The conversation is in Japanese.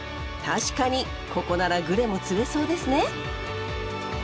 確かにここならグレも釣れそうですね。